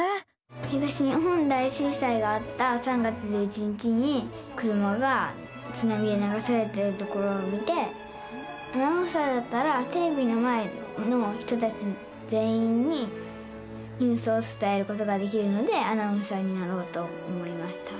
東日本大震災があった３月１１日に車がつなみでながされてるところを見てアナウンサーだったらテレビの前の人たち全員にニュースをつたえることができるのでアナウンサーになろうと思いました。